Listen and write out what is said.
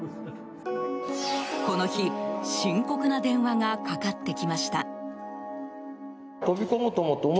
この日深刻な電話がかかってきました。